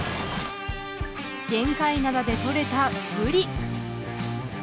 玄界灘で取れたブリ。